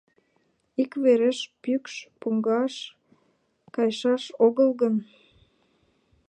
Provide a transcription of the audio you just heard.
Иквереш пӱкш погаш кайышаш огыл гын